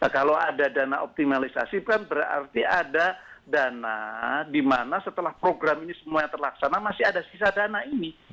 kalau ada dana optimalisasi kan berarti ada dana di mana setelah program ini semuanya terlaksana masih ada sisa dana ini